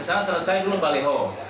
misalnya selesai dulu bale ho